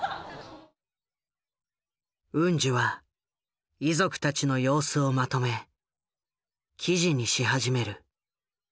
ウンジュは遺族たちの様子をまとめ記事にし始める。